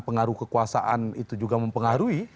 pengaruh kekuasaan itu juga mempengaruhi